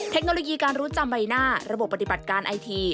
เทคโนโลยีการรู้จำใบหน้าระบบปฏิบัติการไอที